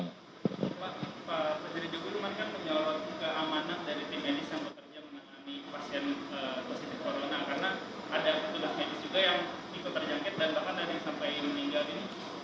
protokol sendiri di rsv ini seperti apa pak